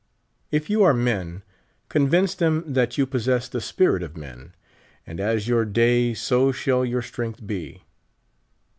If >'ou are men, convince them that you possess the spirit of men : and as your day so sliall your strength be.